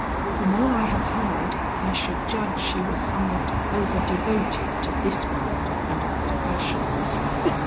From all I have heard, I should judge she was somewhat over devoted to this world and its fashions."